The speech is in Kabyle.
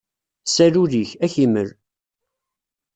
Sal ul-ik, ad ak-imel.